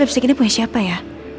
ripsic ini punya siapa ya